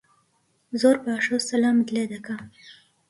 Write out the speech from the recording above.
زۆر باشە و سەلامت لێ دەکا